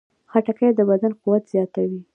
خټکی د بدن قوت زیاتوي.